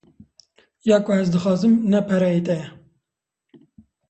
Ya ku ez dixwazim ne pereyê te ye.